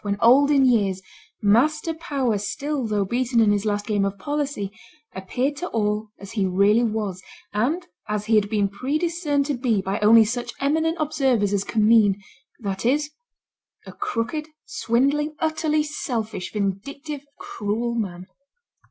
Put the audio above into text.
when old in years, master power still though beaten in his last game of policy, appeared to all as he really was and as he had been prediscerned to be by only such eminent observers as Commynes, that is, a crooked, swindling, utterly selfish, vindictive, cruel man.